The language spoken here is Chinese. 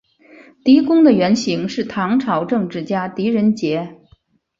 狄公的原型是唐朝政治家狄仁杰。